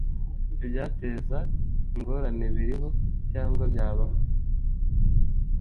ibyateza ingorane biriho cyangwa byabaho